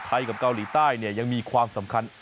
กับเกาหลีใต้เนี่ยยังมีความสำคัญ